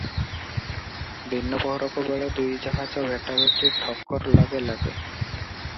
ଦିନ ପହରକବେଳେ ଦୁଇ ଜାହାଜ ଭେଟାଭେଟି, ଠୋକର ଲାଗେ ଲାଗେ ।"